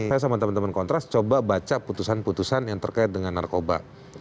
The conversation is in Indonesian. saya sama teman teman kontras coba baca putusan putusan yang terkait dengan narkoba